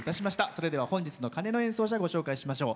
それでは本日の鐘の演奏者ご紹介しましょう。